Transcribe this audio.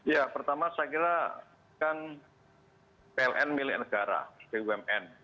ya pertama saya kira kan pln milik negara bumn